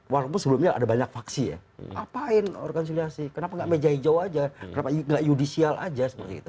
walaupun sebelumnya ada banyak faksi ya apain rekonsiliasi kenapa nggak meja hijau aja kenapa nggak judicial aja seperti itu